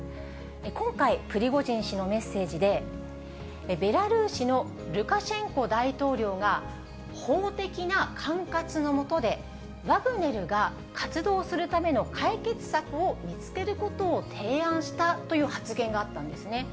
今回、プリゴジン氏のメッセージで、ベラルーシのルカシェンコ大統領が、法的な管轄の下でワグネルが活動をするための解決策を見つけることを提案したという発言があったんですね。